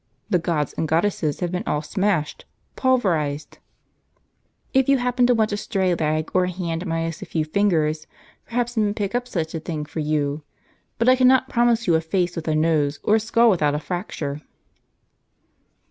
The gods and goddesses have been all smashed, pulverized ! If you happen to want a stray leg, or a hand minus a few fingers, perhaps I may pick up such a thing for you. But I cannot promise you a face with a nose, or a skull without a fracture."